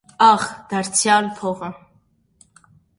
- Ա՛խ, դարձյա՜լ փողը…